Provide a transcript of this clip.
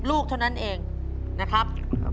ลูกเท่านั้นเองนะครับ